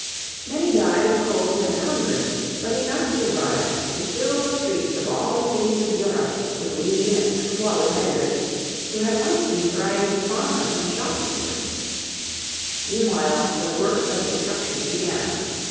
Many died of cold and hunger: but enough survived to fill the streets of all the cities of Europe with lean and squalid beggars, who had once been thriving farmers and shopkeepers. Meanwhile the work of destruction began.